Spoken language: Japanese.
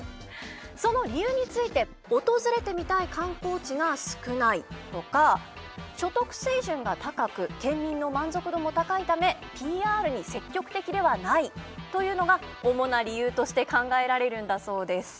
その理由について訪れてみたい観光地が少ないとか所得水準が高く県民の満足度も高いためＰＲに積極的ではないというのが主な理由として考えられるんだそうです。